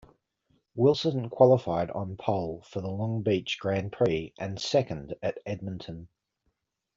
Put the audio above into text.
Wilson qualified on pole for the Long Beach Grand Prix and second at Edmonton.